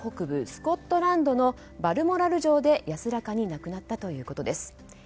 スコットランドのバルモラル城で安らかに亡くなったということです。